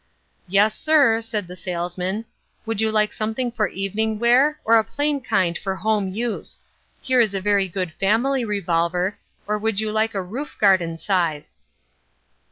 "Yes, sir," said the salesman. "Would you like something for evening wear, or a plain kind for home use. Here is a very good family revolver, or would you like a roof garden size?"